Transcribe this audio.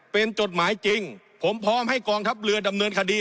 เป็นจดหมายจริงผมพร้อมให้กองทัพเรือดำเนินคดี